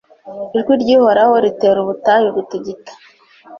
Ijwi ry’Uhoraho ritera ubutayu gutigita